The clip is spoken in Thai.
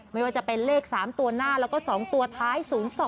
ไม่ว่าจะเป็นเลข๓ตัวหน้าแล้วก็๒ตัวท้าย๐๒